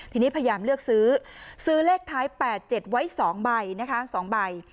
ทีนี้พยายามเลือกซื้อซื้อเลขท้าย๘๗ไว้๒ใบนะคะ๒ใบ